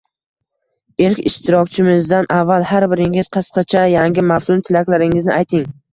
Ilk ishtirokchimizdan avval har biringiz qisqacha yangi mavsum tilaklaringizni ayting.